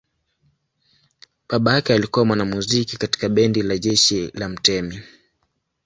Babake alikuwa mwanamuziki katika bendi la jeshi la mtemi.